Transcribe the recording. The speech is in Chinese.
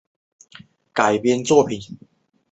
剧情小说世界观小说影视改编作品